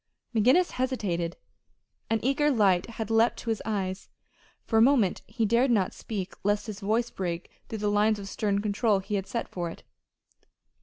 McGinnis hesitated. An eager light had leaped to his eyes. For a moment he dared not speak lest his voice break through the lines of stern control he had set for it.